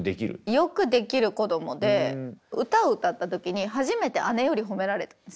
よくできる子供で歌を歌った時に初めて姉より褒められたんですね。